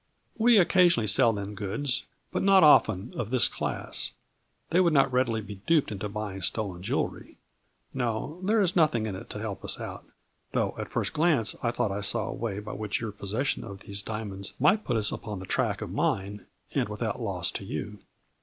We occasionally sell them goods, but not often of this class. They would not readily be duped into buying stolen jewelry. No, there is nothing in it to help us out, though at first glance, I thought I saw a way by which your possession of these diamonds might put us upon the track of mine, and without loss to you."